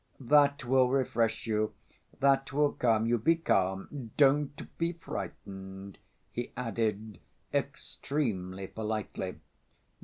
"That will refresh you, that will calm you. Be calm, don't be frightened," he added, extremely politely.